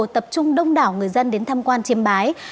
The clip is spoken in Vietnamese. tập trung đông đảo người dân đến tham quan chiêm bái